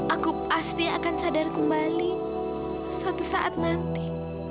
aku pasti akan sadar kembali suatu saat nanti